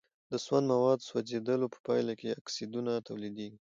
د سون موادو سوځیدلو په پایله کې اکسایدونه تولیدیږي.